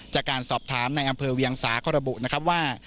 จากการสอบถามในอำเภอเวียงสาก็ระบุนะครับว่า